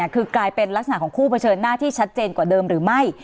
คือกลายเป็นลักษณะของคู่เผชิญหน้าที่ชัดเจนกว่าเดิมหรือไม่